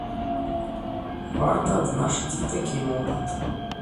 Варта адзначыць і такі момант.